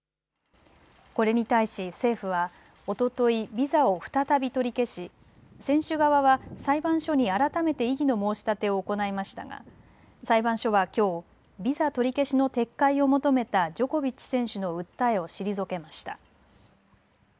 これに対し政府はおとといビザを再び取り消し選手側は裁判所に改めて異議の申し立てを行いましたが裁判所はきょう、ビザ取り消しの撤回を求めたジョコビッチ選手の訴えを退けました。